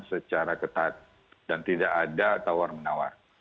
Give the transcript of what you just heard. secara ketat dan tidak ada tawar menawar